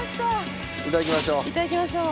いただきましょう。